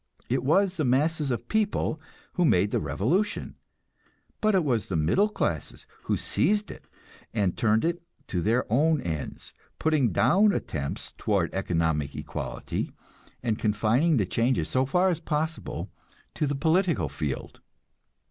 It was the masses of the people who made the revolution, but it was the middle classes who seized it and turned it to their own ends, putting down attempts toward economic equality, and confining the changes, so far as possible, to the political field.